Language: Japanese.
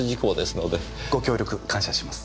ご協力感謝します。